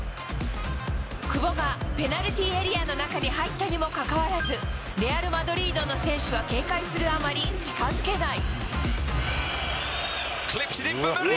久保がペナルティーエリアの中に入ったにもかかわらず、レアル・マドリードの選手は警戒するあまり、近づけない。